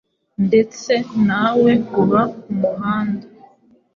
ndetse nawe uba ku muhanda,